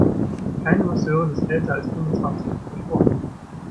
Keine Masseurin ist älter als fünfundzwanzig, versprochen!